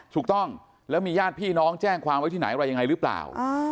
ถูกต้องแล้วมีญาติพี่น้องแจ้งความไว้ที่ไหนอะไรยังไงหรือเปล่า